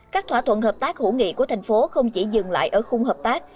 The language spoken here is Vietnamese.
các thỏa thuận hợp tác hữu nghị của thành phố không chỉ dừng lại ở khung hợp tác